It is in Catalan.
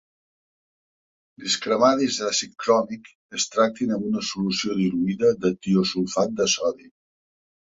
Les cremades d'àcid cròmic es tracten amb una solució diluïda de tiosulfat de sodi.